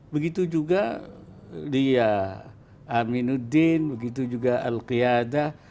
begitu juga di aminuddin begitu juga al qiyadah